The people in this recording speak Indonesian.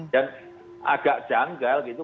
dan agak janggal gitu